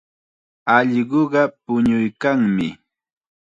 Allquqa puñuykanmi.